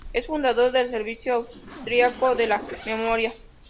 Es fundador del Servicio austriaco de la memoria.